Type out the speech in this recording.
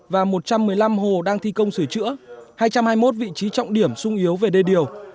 và một trăm một mươi năm hồ đang thi công sửa chữa hai trăm hai mươi một vị trí trọng điểm sung yếu về đê điều